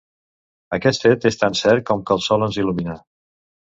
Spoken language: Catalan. Aquest fet és tan cert com que el sol ens il·lumina.